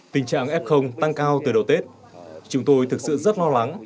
tình trạng f tăng cao từ đầu tết chúng tôi thực sự rất lo lắng